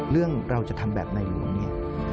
เรื่องเราจะทำแบบในหลวง